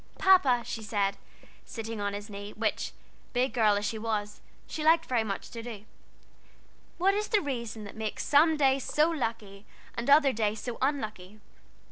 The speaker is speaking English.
"Papa," she said, sitting on his knee, which, big girl as she was, she liked very much to do, "what is the reason that makes some days so lucky and other days so unlucky?